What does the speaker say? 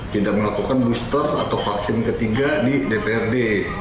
tidak melakukan booster atau vaksin ketiga di dprd